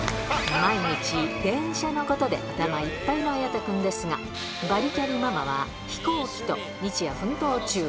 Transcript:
毎日、電車のことで頭いっぱいの綾太くんですが、バリキャリママは飛行機と日夜奮闘中。